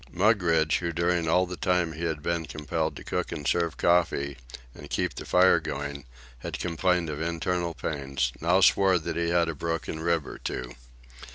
Mugridge, who, during all the time he had been compelled to cook and serve coffee and keep the fire going, had complained of internal pains, now swore that he had a broken rib or two.